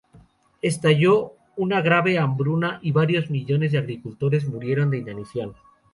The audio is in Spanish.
Estalló una grave hambruna y varios millones de agricultores murieron de inanición.